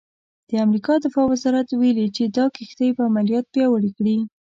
د امریکا دفاع وزارت ویلي چې دا کښتۍ به عملیات پیاوړي کړي.